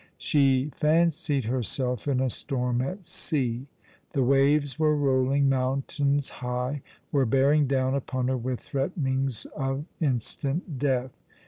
She fancied herself in a storm at sea. The waves were rolling mountains high — were bearing down upon her with threaten ings of instant death.